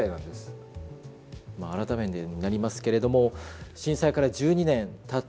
まあ改めてになりますけれども震災から１２年たった